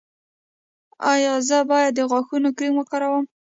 ایا زه باید د غاښونو کریم وکاروم؟